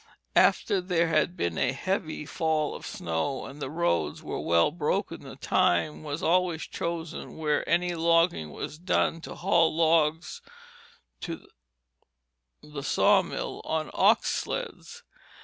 After there had been a heavy fall of snow and the roads were well broken, the time was always chosen where any logging was done to haul logs to the sawmill on ox sleds.